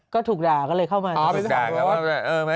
ก็ถูกด่าก็เลยเข้ามาด่า